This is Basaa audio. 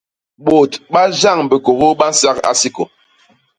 Bôt ba Jéan Bikôgôô ba nsak Asikô.